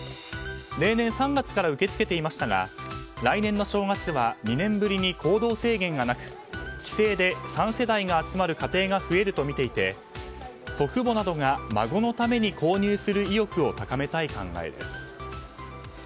例年、３月から受け付けていましたが来年の正月は２年ぶりに行動制限がなく帰省で３世代が集まる家庭が増えるとみていて祖父母などが孫のために購入する意欲を高めたい考えです。